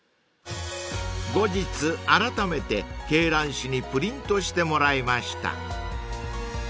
［後日あらためて鶏卵紙にプリントしてもらいました］